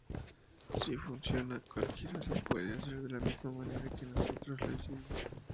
Si funciona, cualquiera lo puede hacer de la misma manera que nosotros lo hicimos.